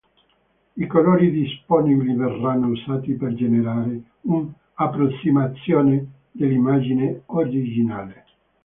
I colori disponibili verranno usati per generare un'"approssimazione" dell'immagine originale.